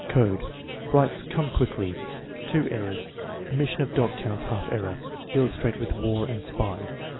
Code, writes "Come quickly." (2 errors. Omission of dot counts half error. Illustrate with "war" and spy.")